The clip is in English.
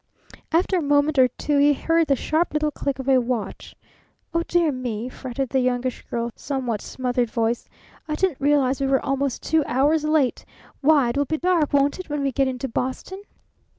After a moment or two he heard the sharp little click of a watch. "Oh, dear me!" fretted the Youngish Girl's somewhat smothered voice. "I didn't realize we were almost two hours late. Why, it will be dark, won't it, when we get into Boston?"